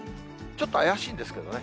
ちょっと怪しいんですけどね。